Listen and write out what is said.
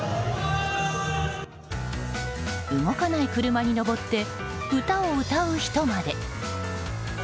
動かない車に上って歌を歌う人まで。